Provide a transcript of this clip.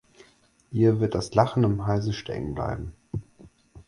Ihr wird das Lachen im Halse stecken bleiben.